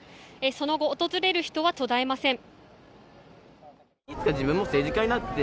その後訪れる人は途絶えません。